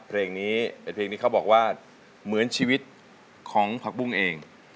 เพลงนี้เป็นเพลงที่เขาบอกว่าเหมือนชีวิตของผักบุ้งเอง